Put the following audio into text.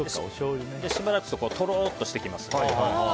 しばらくするととろっとしてきます。